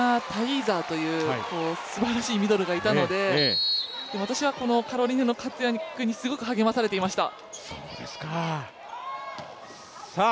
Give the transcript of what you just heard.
当時、すばらしいミドルがいたので、私はこのカロリネの活躍にすごく励まされていました。